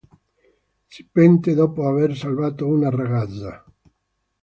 Si pente dopo aver salvato una ragazza.